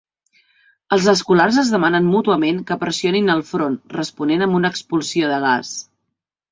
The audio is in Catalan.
Els escolars es demanen mútuament que pressionin el front, responent amb una expulsió de gas.